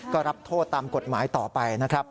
ก็รับโทษตามกฎหมายต่อไปนะครับ